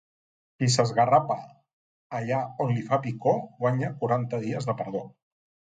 Qui s'esgarrapa allà on li fa picor, guanya quaranta dies de perdó.